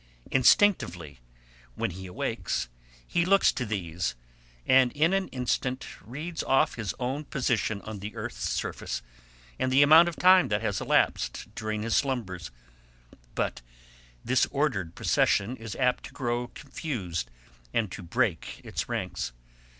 Instinctively, when he awakes, he looks to these, and in an instant reads off his own position on the earth's surface and the amount of time that has elapsed during his slumbers; but this ordered procession is apt to grow confused, and to break its ranks.